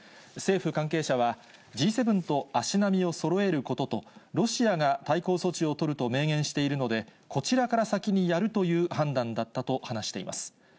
政府関係者は、Ｇ７と足並みをそろえることと、ロシアが対抗措置を取ると明言しているので、こちらから先にやるという判断だったと話しています。